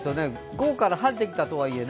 午後から晴れてきたとはいえ。